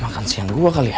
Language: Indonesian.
makan siang gue kali ya